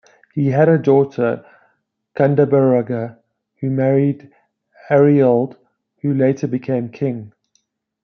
He had a daughter Gundeberga who married Arioald who later became king.